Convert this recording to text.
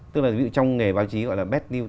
tức là ví dụ trong nghề báo chí gọi là bad news